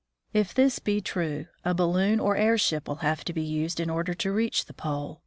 If this be true, a balloon or airship will have to be used in order to reach the pole.